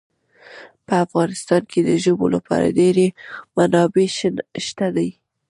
په افغانستان کې د ژبو لپاره ډېرې منابع شته دي.